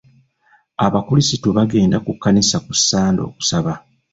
Abakulisitu bagenda ku kkanisa ku sande okusaba.